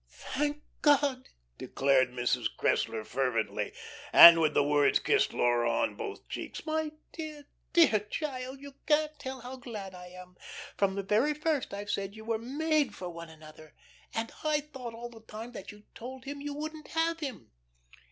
"Thank God!" declared Mrs. Cressler fervently, and with the words kissed Laura on both cheeks. "My dear, dear child, you can't tell how glad I am. From the very first I've said you were made for one another. And I thought all the time that you'd told him you wouldn't have him."